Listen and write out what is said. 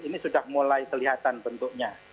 ini sudah mulai kelihatan bentuknya